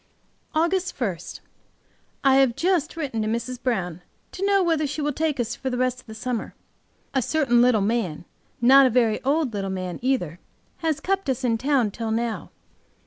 AUGUST 1 I HAVE just written to Mrs. Brown to know whether she will take us for the rest of the summer. A certain little man, not a very old little man either, has kept us in town till now.